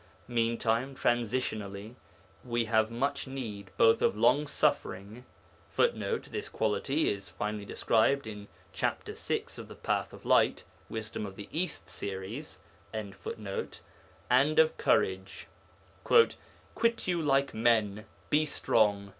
Meantime, transitionally, we have much need both of long suffering [Footnote: This quality is finely described in chap. vi. of The Path of Light (Wisdom of the East series).] and of courage; 'quit you like men, be strong.'